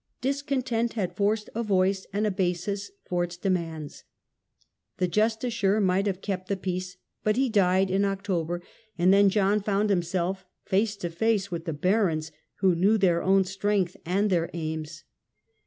Discontent had forced a voice and a basis for its demands. The jus ticiar might have kept the peace, but he died in October, and then John found himself face to face with the barons, who knew their own strength and their aims.